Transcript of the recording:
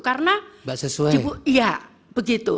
karena iya begitu